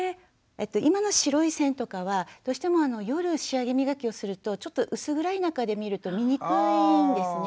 今の白い線とかはどうしても夜仕上げ磨きをするとちょっと薄暗い中で見ると見にくいんですね。